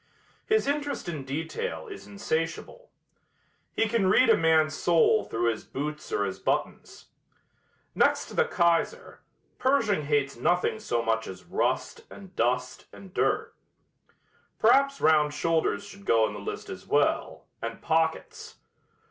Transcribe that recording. His interest in detail is insatiable. He can read a man's soul through his boots or his buttons. Next to the Kaiser, Pershing hates nothing so much as rust and dust and dirt. Perhaps round shoulders should go in the list as well, and pockets.